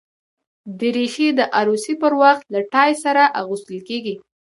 دریشي د عروسي پر وخت له ټای سره اغوستل کېږي.